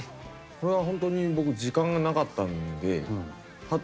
これはほんとに僕時間がなかったんではっ